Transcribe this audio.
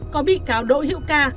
có bị cáo đỗ hiệu ca